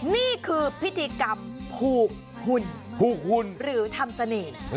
นี่คือพิธีกรรมภูกฮุ่นหรือทำเสน่ห์